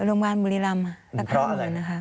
โรงพยาบาลบุริรัมน์